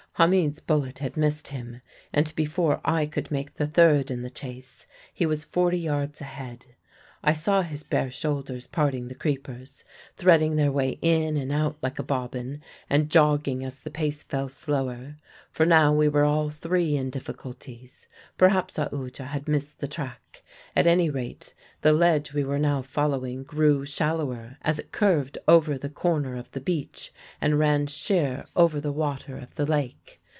Hamid's bullet had missed him, and before I could make the third in the chase he was forty yards ahead. I saw his bare shoulders parting the creepers threading their way in and out like a bobbin, and jogging as the pace fell slower; for now we were all three in difficulties. Perhaps Aoodya had missed the track; at any rate the ledge we were now following grew shallower as it curved over the corner of the beach and ran sheer over the water of the lake.